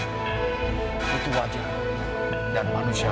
kekhawatiran wajib dan manusia